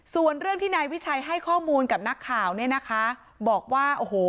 ส่วนเรื่องที่นายวิชัยให้ข้อมูลกับนักข่าวเนี่ยนะคะบอกว่าโอ้โห